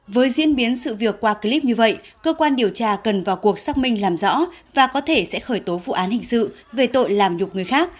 với diễn biến sự việc qua clip như vậy cơ quan điều tra cần vào cuộc xác minh làm rõ và có thể sẽ khởi tố vụ án hình sự về tội làm nhục người khác